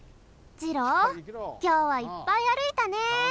じろうきょうはいっぱいあるいたね。